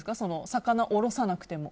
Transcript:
魚おろさなくても。